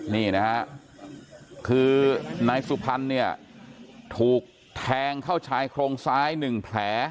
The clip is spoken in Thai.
นี่นะฮะคือนายสุพรรณเนี่ยถูกแทงเข้าชายโครงซ้าย๑แผล